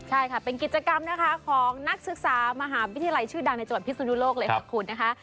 ใช่ค่ะเป็นกิจกรรมนะคะของนักศึกษามหาวิทยาลัยชื่อดังในจังหวัดพิศนุโลกเลยค่ะคุณนะคะ